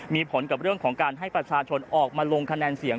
มีผลกับเรื่องของการให้ประชาชนออกมาลงคะแนนเสียง